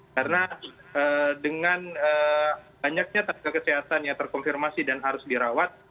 karena dengan banyaknya tenaga kesehatan yang terkonfirmasi dan harus dirawat